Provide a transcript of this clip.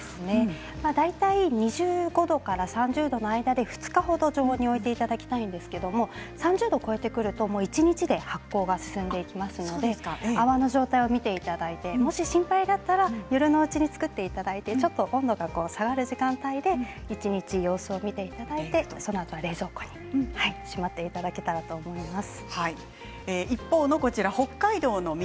大体２５度から３０度の間で２日程、常温に置いていただきたいんですけど３０度を超えてくると一日で発酵が進んできますので泡の状態を見ていただいてもし心配だったら夜のうちに作っていただいてちょっと温度が下がる時間帯で一日様子を見ていただいてそのあとは冷蔵庫にしまっていただけたらと思います。